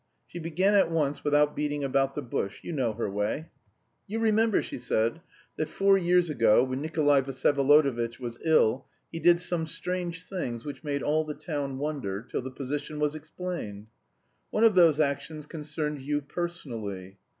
She began at once without beating about the bush, you know her way. 'You remember,' she said, 'that four years ago when Nikolay Vsyevolodovitch was ill he did some strange things which made all the town wonder till the position was explained. One of those actions concerned you personally.